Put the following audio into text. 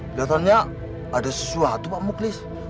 kelihatannya ada sesuatu pak muklis